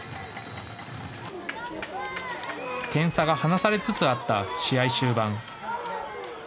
点差が離されつつあった試合終盤。